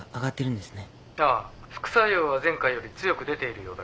副作用は前回より強く出ているようだが。